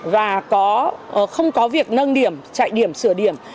và không có việc nâng điểm chạy điểm sửa điểm